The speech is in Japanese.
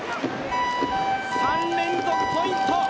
３連続ポイント